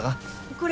これ。